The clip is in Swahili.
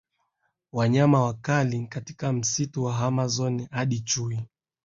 Wanyama wakali katika msitu wa Amazon Hadi chui